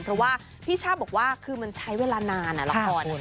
เพราะว่าพี่ช่าบอกว่าคือมันใช้เวลานานละคร